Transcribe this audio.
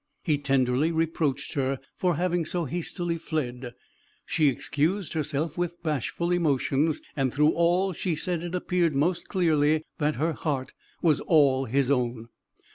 He tenderly reproached her for having so hastily fled; she excused herself with bashful emotions, and through all she said it appeared most clearly that her heart was all his own.